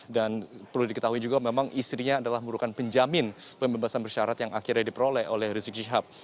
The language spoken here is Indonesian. dan perlu diketahui juga memang istrinya adalah murid murid penjamin pembebasan bersyarat yang akhirnya diperoleh oleh rizik kecilap